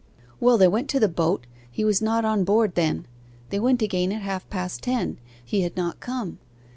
'Well, they went to the boat: he was not on board then. They went again at half past ten: he had not come.